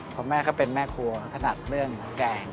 เพราะแม่ก็เป็นแม่ครัวถนัดเรื่องแกง